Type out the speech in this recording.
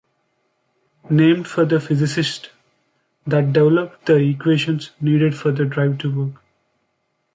Named for the physicists that developed the equations needed for the drive to work.